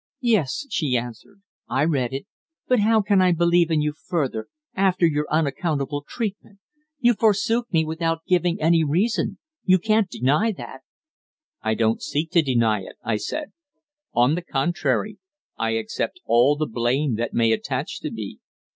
"Yes," she answered. "I read it. But how can I believe in you further, after your unaccountable treatment? You forsook me without giving any reason. You can't deny that." "I don't seek to deny it," I said. "On the contrary, I accept all the blame that may attach to me.